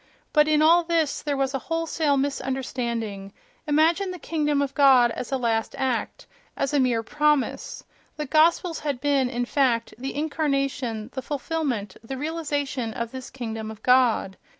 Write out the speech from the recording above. But in all this there was a wholesale misunderstanding: imagine the "kingdom of God" as a last act, as a mere promise! The Gospels had been, in fact, the incarnation, the fulfilment, the realization of this "kingdom of God."